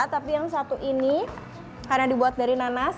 tapi yang satu ini karena dibuat dari nanas